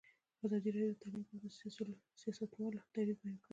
ازادي راډیو د تعلیم په اړه د سیاستوالو دریځ بیان کړی.